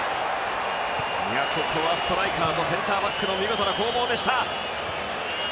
ここはストライカーとセンターバックの見事な攻防でした。